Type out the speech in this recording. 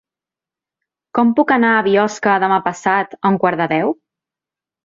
Com puc anar a Biosca demà passat a un quart de deu?